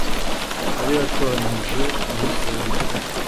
yari yatoranyije mu bayisraheli